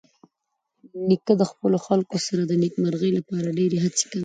نیکه د خپلو خلکو سره د نیکمرغۍ لپاره ډېرې هڅې کوي.